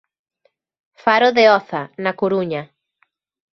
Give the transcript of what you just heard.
Faro de Oza, na Coruña.